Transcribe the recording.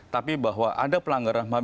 tapi bahwa ada pelanggaran ham